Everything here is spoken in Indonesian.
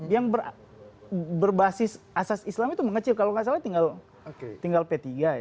yang berbasis asas islam itu mengecil kalau nggak salah tinggal peti